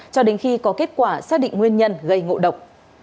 cho đến khi có kết quả xác định nguyên nhân gây ngộ độc